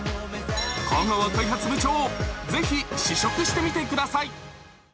香川開発部長、ぜひ、試食してみてください。